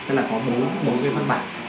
tức là có bốn cái văn bản